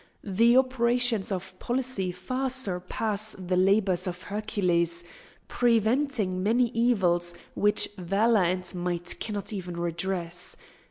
The operations of policy far surpass the labours of Hercules, preventing many evils which valour and might cannot even redress.